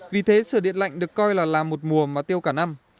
vì thế sửa điện lạnh được coi là là một mùa mà tiêu cả năm